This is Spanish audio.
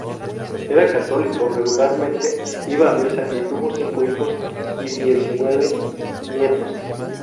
Era católico, regularmente iba a Misa y tuvo cinco hijos y diecinueve nietos.